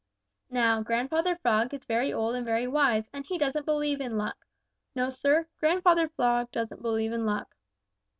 Now Grandfather Frog is very old and very wise, and he doesn't believe in luck. No, Sir, Grandfather Frog doesn't believe in luck.